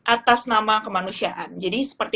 atas nama kemanusiaan jadi seperti